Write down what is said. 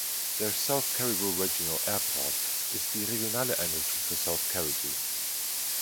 Der South Cariboo Regional Airport ist die regionale Einrichtung für South Cariboo.